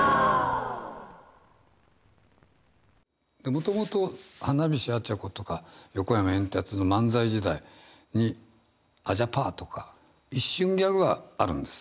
もともと花菱アチャコとか横山エンタツの漫才時代に「あじゃぱー」とか一瞬ギャグがあるんです。